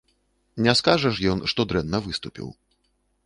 Не скажа ж ён, што дрэнна выступіў.